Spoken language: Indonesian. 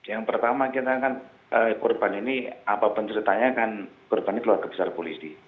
yang pertama kita akan korban ini apapun ceritanya kan korban ini keluar kebesar polisi